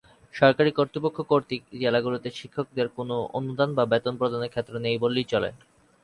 সরকারি কর্তৃপক্ষ কর্তৃক জেলাগুলিতে শিক্ষকদের কোনও অনুদান বা বেতন প্রদানের ক্ষেত্র নেই বললেই চলে।